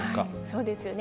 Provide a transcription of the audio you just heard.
そうですよね。